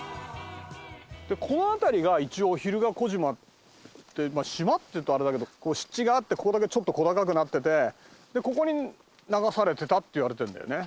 この辺りが一応蛭ヶ小島って島っていうとあれだけど湿地があってここだけちょっと小高くなっててここに流されてたっていわれてるんだよね。